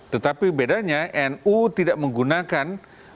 tetapi bedanya nu tidak menggunakan